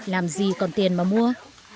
làm gì còn tiền mà mua